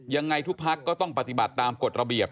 ยังไงทุกพักก็ต้องปฏิบัติตามกฎระเบียบ